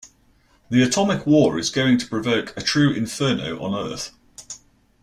The atomic war is going to provoke a true inferno on Earth.